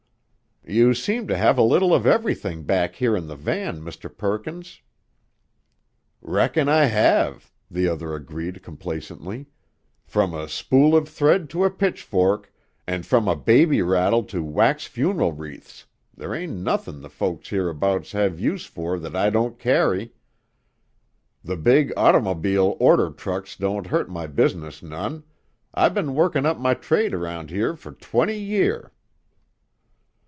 "You seem to have a little of everything back here in the van, Mr. Perkins." "Reckon I hev," the other agreed complacently. "From a spool of thread to a pitchfork, and from a baby rattle to wax funeral wreaths, there ain't nothin' the folk hereabout hev use for that I don't carry. The big ottermobile order trucks don't hurt my business none; I ben workin' up my trade around here fer twenty year."